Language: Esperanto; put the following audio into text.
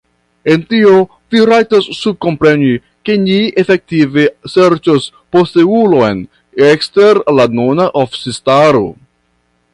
En tio vi rajtas subkompreni, ke ni efektive serĉos posteulon ekster la nuna oficistaro.